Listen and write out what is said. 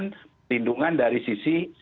penguatan perlindungan dari sisi